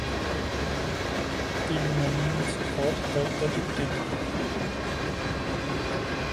The unanimous Court held that it did.